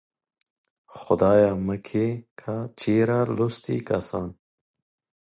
خدايه مکې که چېرې لوستي کسان